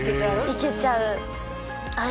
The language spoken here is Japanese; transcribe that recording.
いけちゃうああ